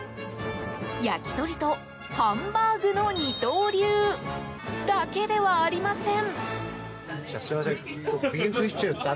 焼き鳥とハンバーグの二刀流だけではありません。